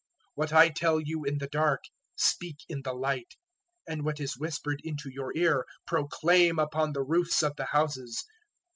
010:027 What I tell you in the dark, speak in the light; and what is whispered into your ear, proclaim upon the roofs of the houses.